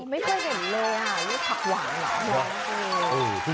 ไม่เคยเห็นเลยลูกผักหวานเหรอ